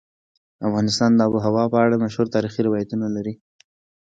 افغانستان د آب وهوا په اړه مشهور تاریخی روایتونه لري.